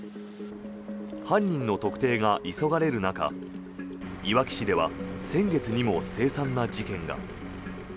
犯人の特定が急がれる中いわき市では先月にもせい惨な事件が。